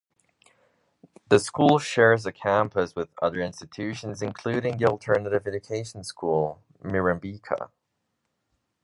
The school shares a campus with other institutions including the alternative education school, Mirambika.